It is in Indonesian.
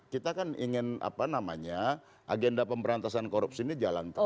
kita kan ingin agenda pemberantasan korupsi ini jalan terus